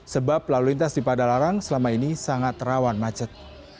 sebab lalu lintas di padalarang selama ini sangat rawan macet